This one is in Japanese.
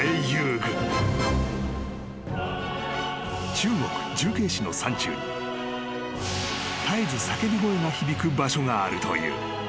［中国重慶市の山中に絶えず叫び声が響く場所があるという］